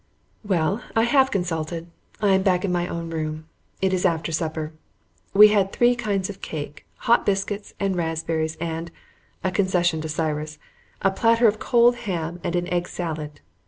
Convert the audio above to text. Well, I have consulted. I am back in my own room. It is after supper. We had three kinds of cake, hot biscuits, and raspberries, and a concession to Cyrus a platter of cold ham and an egg salad.